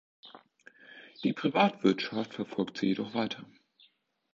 Die Privatwirtschaft verfolgt sie jedoch weiter.